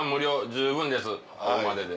十分ですここまでで。